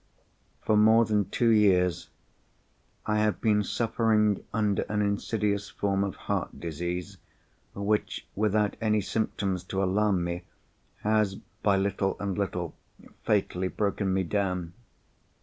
For more than two years I have been suffering under an insidious form of heart disease, which, without any symptoms to alarm me, has, by little and little, fatally broken me down.